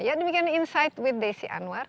ya demikian insight with desi anwar